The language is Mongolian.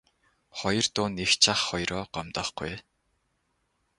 Хоёр дүү нь эгч ах хоёроо гомдоохгүй ээ.